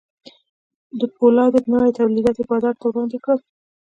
د پولادو نوي تولیدات یې بازار ته وړاندې کړل